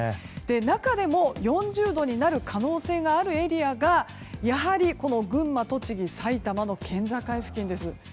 中でも、４０度になる可能性があるエリアがやはり群馬、栃木、埼玉の県境付近です。